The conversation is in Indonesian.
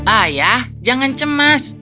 ayah jangan cemas